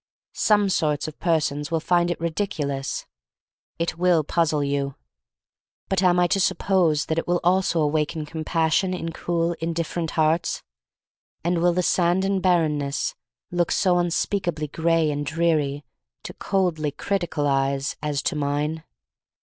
Some sorts of persons will find it ridic ulous. It will puzzle you. But am I to suppose that it will also awaken compassion in cool, indifferent hearts? And will the sand and barren ness look so unspeakably gray and dreary to coldly critical eyes as to mine?